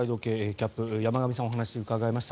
キャップ山上さんにお話を伺いました。